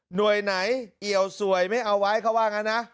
หน่วยไหนเอี่ยวสวยไม่เอาไว้เขาว่างั้นนะ